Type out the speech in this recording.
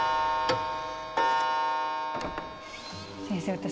先生